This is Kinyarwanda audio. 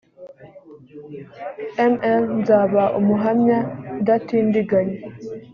ml nzaba umuhamya udatindiganya